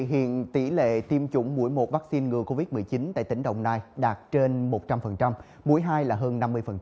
hiện tỷ lệ tiêm chủng mũi một vaccine ngừa covid một mươi chín tại tỉnh đồng nai đạt trên một trăm linh mũi hai là hơn năm mươi